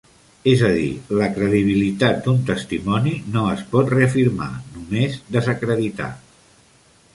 És a dir, la credibilitat d'un testimoni no es pot reafirmar, només desacreditar.